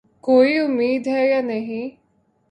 کوئی امید ہے یا نہیں ؟